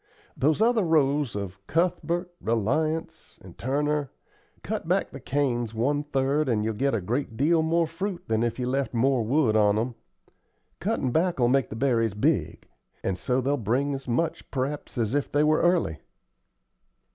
Those other rows of Cuthbert, Reliance, and Turner, cut back the canes one third, and you'll get a great deal more fruit than if you left more wood on 'em. Cuttin' back'll make the berries big; and so they'll bring as much, p'raps, as if they were early."